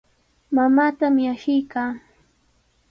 Mamaatami ashiykaa.